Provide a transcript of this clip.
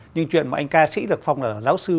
nhưng chuyện mà anh ca sĩ được phong là giáo sư